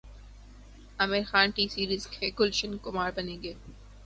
عامر Khan T Series کے گلشن کمار بنیں گے